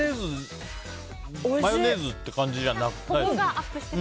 マヨネーズって感じじゃなくて。